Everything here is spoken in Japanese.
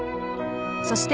［そして］